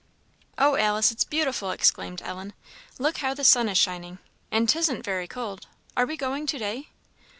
"Oh, Alice, it's beautiful!" exclaimed Ellen; "look how the sun is shining! and 'tisn't very cold. Are we going to day?"